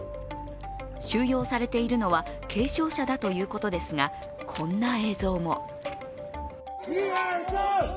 収容されているのは軽症者だということですがこんな映像も。